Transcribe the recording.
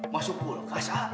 masuk kulkas ah